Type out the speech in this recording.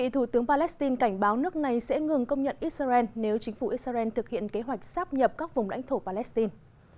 thủ tướng palestine cảnh báo nước này sẽ ngừng công nhận israel nếu chính phủ israel thực hiện kế hoạch sáp nhập các vùng lãnh thổ palestine